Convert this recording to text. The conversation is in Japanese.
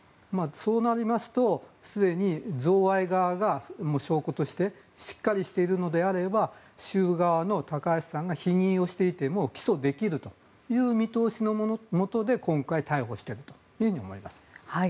そうなりますと、すでに贈賄側がもう証拠としてしっかりしているのであれば収賄側の高橋さんが否認をしていても起訴できるという見通しのもとで今回、逮捕しているというふうに思います。